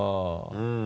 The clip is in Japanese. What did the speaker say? うん。